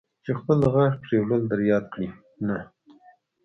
چې خپل د غاښ پرېولل در یاد کړي، نه.